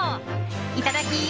いただき！